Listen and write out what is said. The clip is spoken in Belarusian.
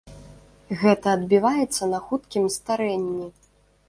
Гэта адбіваецца на хуткім старэнні.